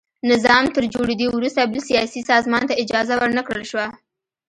نظام تر جوړېدو وروسته بل سیاسي سازمان ته اجازه ور نه کړل شوه.